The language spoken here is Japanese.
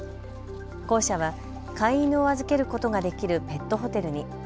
校舎は飼い犬を預けることができるペットホテルに。